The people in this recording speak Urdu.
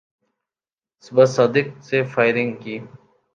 صبح صادق سے فائرنگ کی